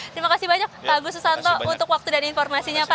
terima kasih banyak pak agus susanto untuk waktu dan informasinya pak